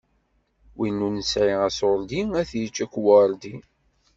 Win ur nesɛi asuṛdi, ad tyečč ukwerdi.